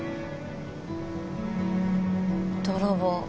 泥棒。